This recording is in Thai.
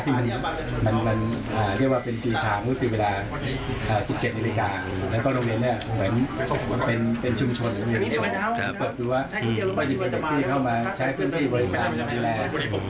ตรงบริเวณนี้มีเด็กที่เข้ามาใช้พื้นที่บริการ